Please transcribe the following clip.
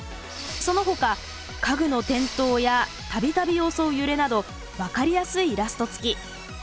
そのほか家具の転倒や度々襲う揺れなど分かりやすいイラスト付き。